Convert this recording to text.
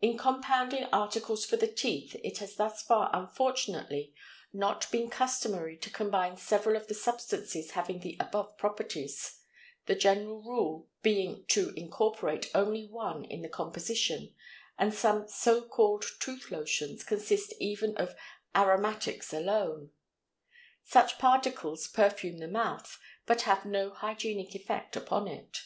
In compounding articles for the teeth it has thus far unfortunately not been customary to combine several of the substances having the above properties, the general rule being to incorporate only one in the composition, and some so called tooth lotions consist even of aromatics alone. Such articles perfume the mouth, but have no hygienic effect upon it.